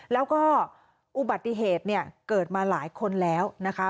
แล้วก็อุบัติเหตุเนี่ยเกิดมาหลายคนแล้วนะคะ